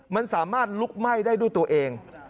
มันสามารถลุกไหม้ได้ด้วยตัวเอง